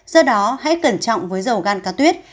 do đó hãy cẩn trọng với dầu gan cá tuyết